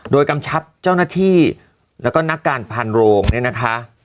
โดยกำชับเจ้าหน้าที่แล้วก็นักการพานโรงเนี่ยนะคะ